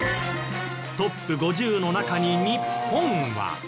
トップ５０の中に日本は